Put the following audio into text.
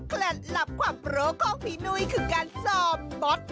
คลัดหลับความโหลภองพี่นุ้ยคือการสอบบอด